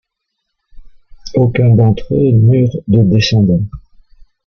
Aucun d'entre eux n'eurent de descendants.